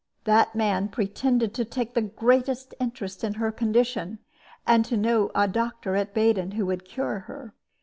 That man pretended to take the greatest interest in her condition, and to know a doctor at Baden who could cure her.